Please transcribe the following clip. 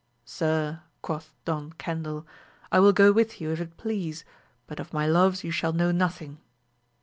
Sir, quoth Don Cendil, I will go with you if it please, but of my loves you shall know nothing.